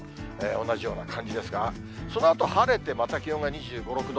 同じような感じですが、そのあと晴れて、また気温が２５、６度。